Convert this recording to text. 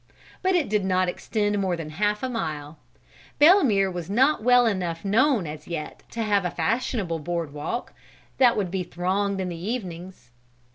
But it did not extend more than half a mile. Belemere was not well enough known as yet to have a fashionable board walk, that would be thronged in the evenings.